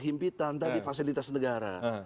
berhimpitan tadi fasilitas negara